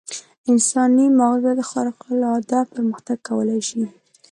انساني ماغزه خارق العاده پرمختګ کولای شي.